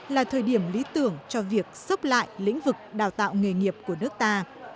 là thời điểm lý tưởng cho việc sốc lại lĩnh vực đào tạo nghề nghiệp của nước ta